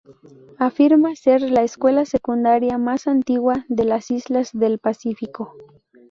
Afirma ser la escuela secundaria más antigua de las islas del Pacífico.